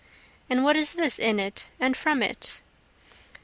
and what is this in it and from it?